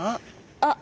あっ！